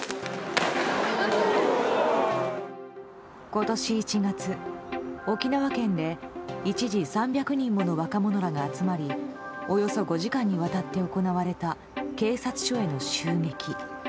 今年１月、沖縄県で一時３００人もの若者らが集まりおよそ５時間にわたって行われた警察署への襲撃。